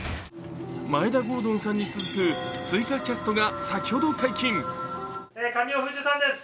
眞栄田郷敦さんに続く、追加キャストが先ほど解禁。